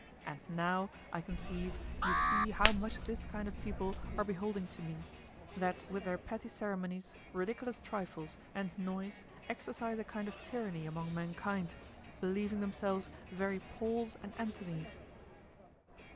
And now, I conceive me, you see how much this kind of people are beholding to me, that with their petty ceremonies, ridiculous trifles, and noise exercise a kind of tyranny among mankind, believing themselves very Pauls and Anthonies.